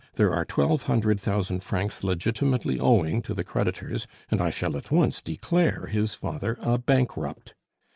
there are twelve hundred thousand francs legitimately owing to the creditors, and I shall at once declare his father a bankrupt.